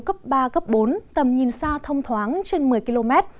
gió tiếp tục duy trì hướng nam gần độ yếu gấp ba gấp bốn tầm nhìn xa thông thoáng trên một mươi km